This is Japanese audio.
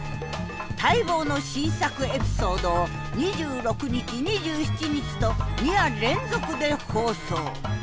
待望の新作エピソードを２６日２７日と２夜連続で放送。